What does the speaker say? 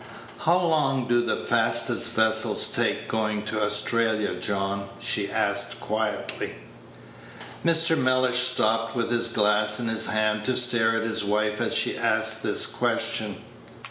"How long do the fastest vessels take going to Australia, John?" she asked, quietly. Mr. Mellish stopped with his glass in his hand to stare at his wife as she asked this question.